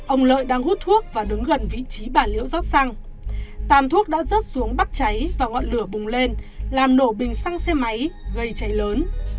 ông lợi đang hút thuốc và đứng gần vị trí bà liễu giót xăng tàn thuốc đã rớt xuống bắt cháy và ngọn lửa bùng lên làm nổ bình xăng xe máy gây cháy lớn